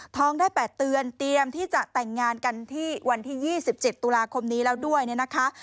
ท้องได้๘เดือนเตรียมที่จะแต่งงานกันที่วันที่๒๗ตุลาคมนี้แล้วด้วยเนี่ยนะคะ